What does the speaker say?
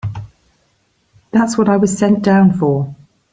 That's what I was sent down for.